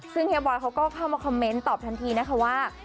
ซึ่งเฮียบอยเขาก็เข้ามาคอมเมนต์ตอบทันทีนะคะว่า